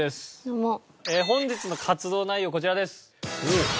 本日の活動内容はこちらです。